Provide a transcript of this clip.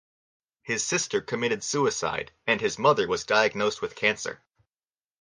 His sister committed suicide, and his mother was diagnosed with cancer.